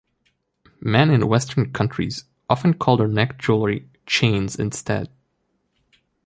Men in Western countries often call their neck jewelry "chains" instead.